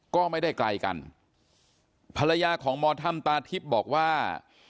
ก็ไม่ได้ไกลกันภรรยาของหมอถ้ำตาทิพย์บอกว่า